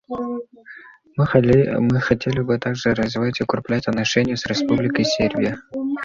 Мы хотели бы также развивать и укреплять отношения с Республикой Сербия.